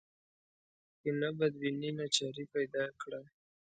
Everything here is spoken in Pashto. کینه بدبیني ناچاري پیدا کړه